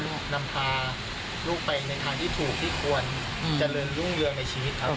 นำพาลูกไปในทางที่ถูกที่ควรเจริญรุ่งเรืองในชีวิตครับ